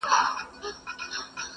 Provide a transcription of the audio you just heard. شګوفې وغوړیږي ښکلي سي سبا ته نه وي؛